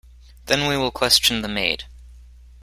Then we will question the maid.